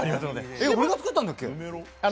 え、俺が作ったんだっけ！？